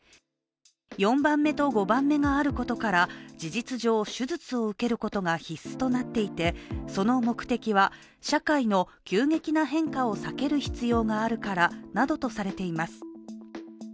４番目と５番目があることから事実上手術を受けることが必須となっていてその目的は、社会の急激な変化を避ける必要があるからなどとされています。